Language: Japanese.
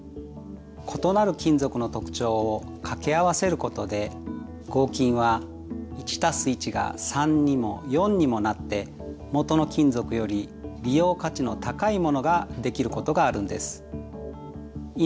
異なる金属の特徴を掛け合わせることで合金は１＋１が３にも４にもなってもとの金属より利用価値の高いものができることがあるんです。